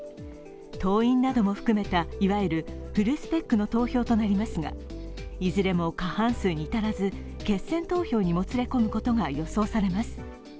党員なども含めた、いわゆるフルスペックの投票となりますが、いずれも過半数に至らず決選投票にもつれ込むことが予想されます。